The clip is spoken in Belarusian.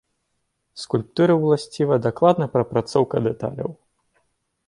Скульптуры ўласціва дакладная прапрацоўка дэталяў.